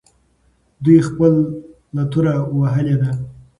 دوی خپله توره وهلې ده.